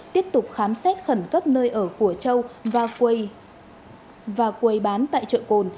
tiếp tục khám xét khẩn cấp nơi ở của châu và quầy bán tại chợ cồn